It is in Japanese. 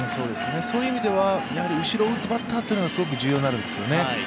そういう意味では後ろを打つバッターがすごく重要になるんですね。